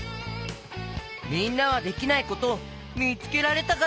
みんなはできないことみつけられたかな？